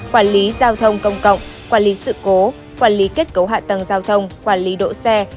quản lý giao thông công cộng quản lý sự cố quản lý kết cấu hạ tầng giao thông quản lý đỗ xe